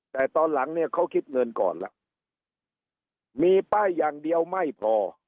แต่ตอนหลังเนี่ยเขาคิดเงินก่อนแล้วมีป้ายอย่างเดียวไม่พอ